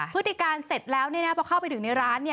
พฤติการเสร็จแล้วพอเข้าไปถึงในร้าน